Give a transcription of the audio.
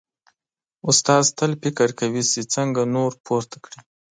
استاد تل فکر کوي چې څنګه نور پورته کړي.